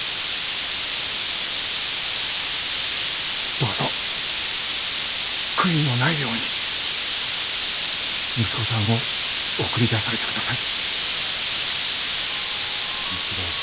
どうぞ悔いのないように息子さんを送り出されてください。